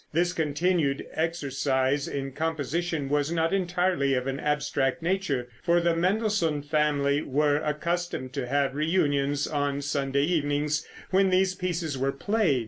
This continued exercise in composition was not entirely of an abstract nature, for the Mendelssohn family were accustomed to have reunions on Sunday evenings, when these pieces were played.